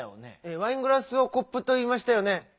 「ワイングラス」を「コップ」といいましたよね。